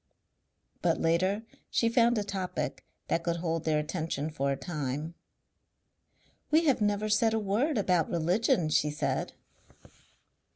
But later she found a topic that could hold their attention for a time. "We have never said a word about religion," she said.